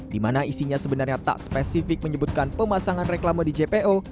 di mana isinya sebenarnya tak spesifik menyebutkan pemasangan reklama di jpo